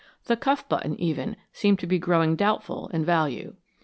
The cuff button, even, seemed to be growing doubtful in value.